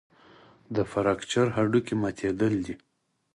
د فراکچر هډوکی ماتېدل دي.